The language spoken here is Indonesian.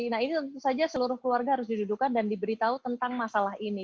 nah ini tentu saja seluruh keluarga harus didudukan dan diberitahu tentang masalah ini